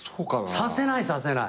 させないさせない。